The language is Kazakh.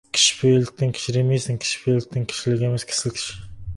Кішіпейілділіктен кішіреймейсің, кішіпейілділік — кішілік емес, кісілік.